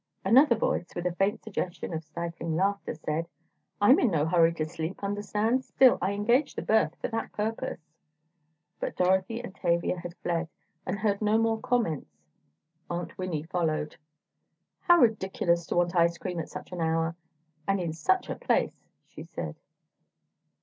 Another voice, with a faint suggestion of stifling laughter, said: "I'm in no hurry to sleep, understand; still I engaged the berth for that purpose——" But Dorothy and Tavia had fled, and heard no more comments. Aunt Winnie followed. "How ridiculous to want ice cream at such an hour, and in such a place!" she said.